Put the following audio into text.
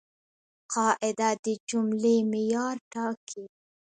قاعده د جملې معیار ټاکي.